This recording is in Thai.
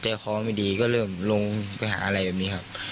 คอไม่ดีก็เริ่มลงไปหาอะไรแบบนี้ครับ